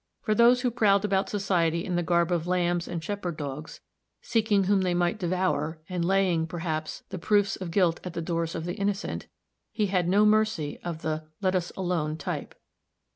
For those who prowled about society in the garb of lambs and shepherd dogs, seeking whom they might devour, and laying, perhaps, the proofs of guilt at the doors of the innocent, he had no mercy of the "let us alone" type.